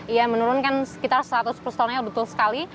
ya menurunkan sekitar satu ratus sepuluh tonnya betul sekali